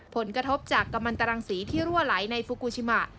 ผลกระทบจากกำลังตรังสีที่รั่วไหลในฟูกูชิมะ